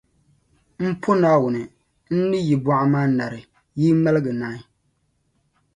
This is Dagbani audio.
M po Naawuni, n-ni yi buɣa maa nari, yi yi ŋmalgi naai.